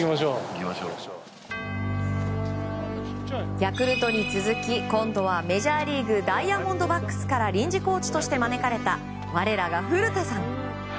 ヤクルトに続き今度はメジャーリーグダイヤモンドバックスから臨時コーチとして招かれた我らが古田さん。